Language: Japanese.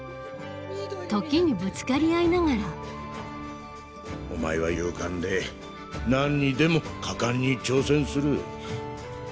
時にぶつかり合いながらお前は勇敢でなんにでも果敢に挑戦する。